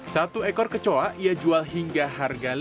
satu ekor kecoa ia jual hingga harga lima rupiah